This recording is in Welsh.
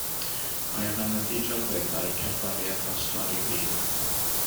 Mae yma nyddu delweddau, cerddoriaeth a stori wir.